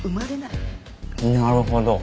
なるほど。